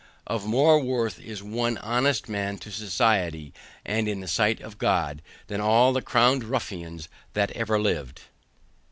Of more worth is one honest man to society and in the sight of God, than all the crowned ruffians that ever lived.